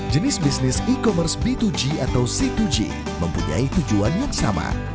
jenis bisnis e commerce b dua g atau c dua g mempunyai tujuan yang sama